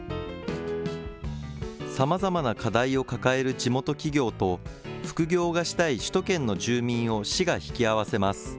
さまざまな課題を抱える地元企業と、副業がしたい首都圏の住民を市が引き合わせます。